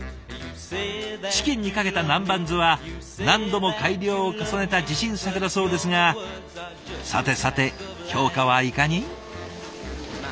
チキンにかけた南蛮酢は何度も改良を重ねた自信作だそうですがさてさて評価はいかに？